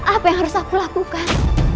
apa yang harus aku lakukan